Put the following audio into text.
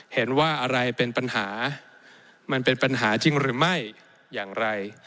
เห็นว่าอะไรเป็นปัญหามันเป็นปัญหาจริงหรือไม่อย่างไร